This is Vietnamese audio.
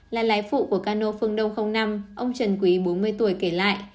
là lái phụ của cano phương đông năm ông trần quý bốn mươi tuổi kể lại